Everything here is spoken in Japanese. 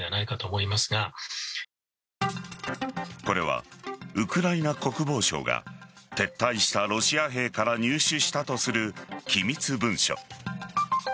これはウクライナ国防省が撤退したロシア兵から入手したとする機密文書。